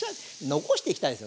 残していきたいね。